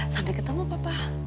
sampai ketemu papa